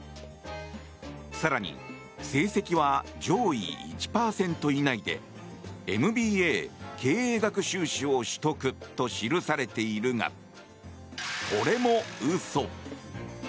更に、成績は上位１％以内でＭＢＡ、経営学修士を取得と記されているがこれも嘘。